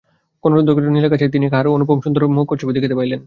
কনকসুধাসিক্ত নীলাকাশে তিনি কাহার অনুপম সুন্দর সহাস্য মুখচ্ছবি দেখিতে পাইলেন।